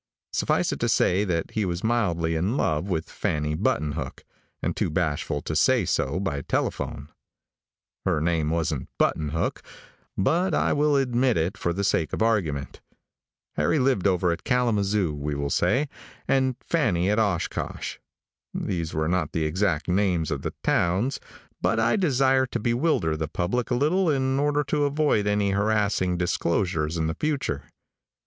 Suffice it to say that he was madly in love with Fanny Buttonhook, and too bashful to say so by telephone. Her name wasn't Buttonhook, but I will admit it for the sake of argument. Harry lived over at Kalamazoo, we will say, and Fanny at Oshkosh. These were not the exact names of the towns, but I desire to bewilder the public a little in order to avoid any harassing disclosures in the future.